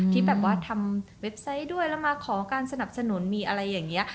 ที่แบบว่าทำเว็บไซต์ด้วยแล้วมาขอการสนับสนุนมีอะไรอย่างนี้